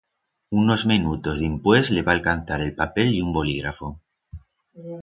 Unos menutos dimpués le va alcanzar el papel y un boligrafo.